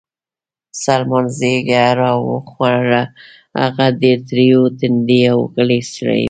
سلمان ږیره را وخروله، هغه ډېر تریو تندی او غلی سړی و.